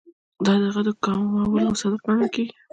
دا د هغه د کمولو مصداق ګڼل کیږي.